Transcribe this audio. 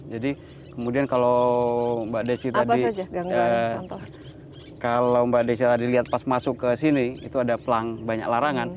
jadi kemudian kalau mbak desi tadi kalau mbak desi tadi lihat pas masuk ke sini itu ada pelang banyak larangan